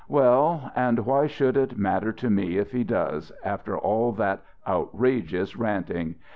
"Well, and why should it matter to me if he does, after all that outrageous ranting?